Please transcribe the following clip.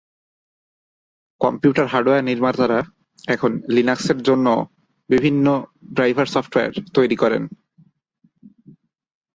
Computer hardware নির্মাতারা এখন লিনাক্সের জন্যেও বিভিন্ন ড্রাইভার সফটওয়্যার তৈরি করেন।